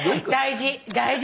大事！